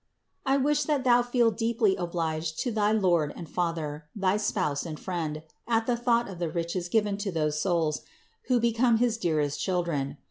I wish that thou feel deeply obliged to thy Lord and Father, thy Spouse and Friend, at the thought of the riches given to those souls, who become his dearest children.